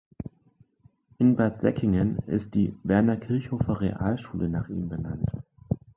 In Bad Säckingen ist die "Werner Kirchhofer Realschule" nach ihm benannt.